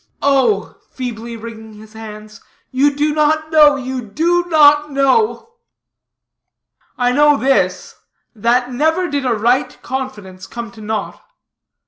Oh," feebly wringing his hands, "you do not know, you do not know." "I know this, that never did a right confidence, come to naught.